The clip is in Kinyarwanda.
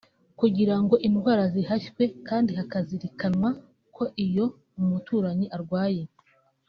kugirango indwara zihashywe kandi hakazirikanwa ko iyo umuturanyi arwaye